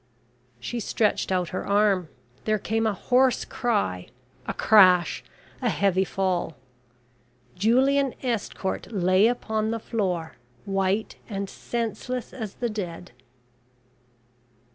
She stretched out her arm. There came a hoarse cry, a crash, a heavy fall. Julian Estcourt lay upon the floor, white and senseless as the dead.